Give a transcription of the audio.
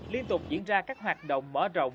liên tục diễn ra các hoạt động mở rộng